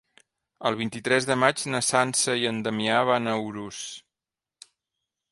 El vint-i-tres de maig na Sança i en Damià van a Urús.